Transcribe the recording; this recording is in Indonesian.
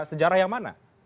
sejarah yang mana